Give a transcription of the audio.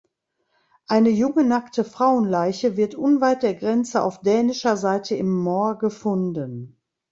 Eine junge nackte Frauenleiche wird unweit der Grenze auf dänischer Seite im Moor gefunden.